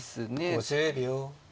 ５０秒。